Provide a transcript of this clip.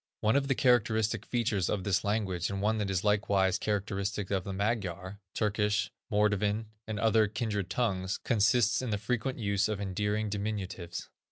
One of the characteristic features of this language, and one that is likewise characteristic of the Magyar, Turkish, Mordvin, and other kindred tongues, consists in the frequent use of endearing diminutives.